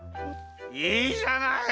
いいじゃない！